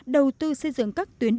đầu tư xây dựng các tuyến điện